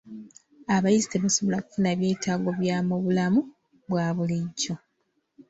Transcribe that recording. Abayizi tebasobola kufuna byetaago bya mu bulamu obwa bulijjo.